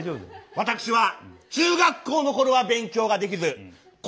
「私は中学校のころは勉強ができず高校では万年最下位。